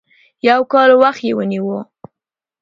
يو کال وخت یې ونیو.